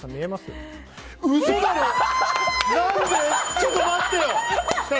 ちょっと待ってよ！